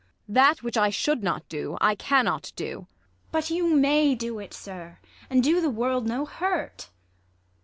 That which I should not do, I cannot do. IsAB. But you may do it, sir, and do the world No hurt.